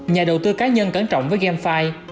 nhà đầu tư cá nhân cẩn trọng với gamefi